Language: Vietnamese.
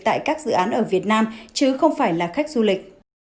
tại các dự án ở việt nam chứ không phải là khách du lịch